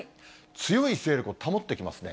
強い勢力を保ってきますね。